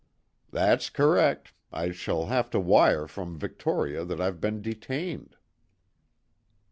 "That's correct. I shall have to wire from Victoria that I've been detained."